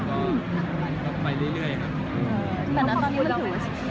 แต่นะครับอะไรบันไดหลัก